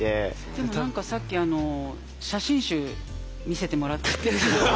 でも何かさっき写真集見せてもらったんだけど。